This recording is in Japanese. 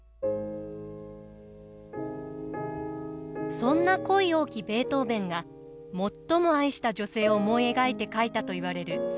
そんな恋多きベートーヴェンが最も愛した女性を思い描いて書いたといわれる作品があります。